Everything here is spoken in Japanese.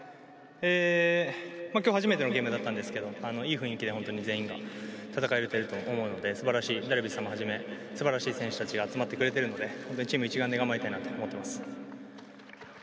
今日初めてのゲームだったんですけどいい雰囲気で全員が戦えていると思うのでダルビッシュさんをはじめ素晴らしい選手たちが集まってくれているのでチーム一丸で頑張りたいなと思っています。